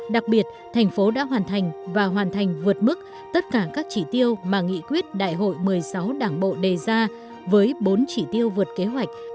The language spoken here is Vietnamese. đặc biệt thành phố đã hoàn thành và hoàn thành vượt mức tất cả các chỉ tiêu mà nghị quyết đại hội một mươi sáu đảng bộ đề ra với bốn chỉ tiêu vượt kế hoạch